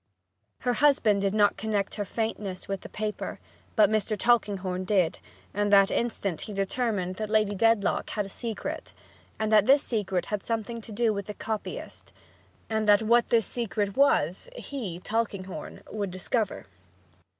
Her husband did not connect her faintness with the paper, but Mr. Tulkinghorn did, and that instant he determined that Lady Dedlock had a secret, that this secret had something to do with the copyist, and that what this secret was, he, Tulkinghorn, would discover.